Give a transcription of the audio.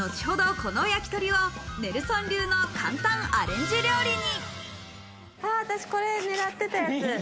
この焼き鳥をネルソン流の簡単アレンジ料理に。